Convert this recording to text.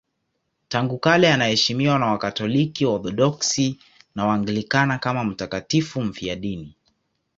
Tangu kale anaheshimiwa na Wakatoliki, Waorthodoksi na Waanglikana kama mtakatifu mfiadini.